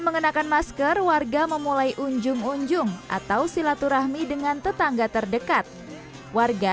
mengenakan masker warga memulai unjung unjung atau silaturahmi dengan tetangga terdekat warga